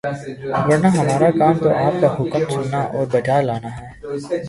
ورنہ ہمارا کام تو آپ کا حکم سننا اور بجا لانا ہے۔